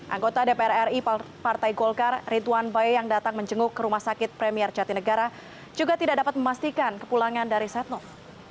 anggota dpr ri partai golkar ridwan bae yang datang menjenguk ke rumah sakit premier jatinegara juga tidak dapat memastikan kepulangan dari setnov